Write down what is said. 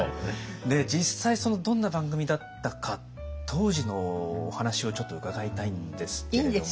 実際どんな番組だったか当時のお話をちょっと伺いたいんですけれども。